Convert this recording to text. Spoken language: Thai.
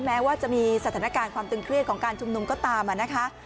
แม้ว่าจะมีสถานการณ์ความตึงเครียดของการชุมนุมก็ตามนะคะ